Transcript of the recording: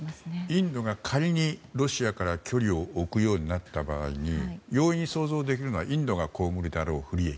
インドが仮に、ロシアから距離を置くようになった場合に容易に想像できるのがインドが被るであろう不利益。